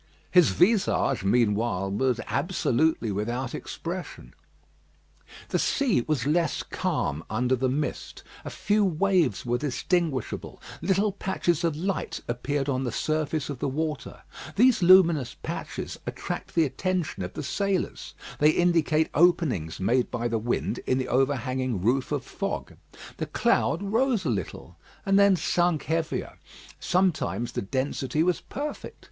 His visage, meanwhile, was absolutely without expression. The sea was less calm under the mist. A few waves were distinguishable. Little patches of light appeared on the surface of the water. These luminous patches attract the attention of the sailors. They indicate openings made by the wind in the overhanging roof of fog. The cloud rose a little, and then sunk heavier. Sometimes the density was perfect.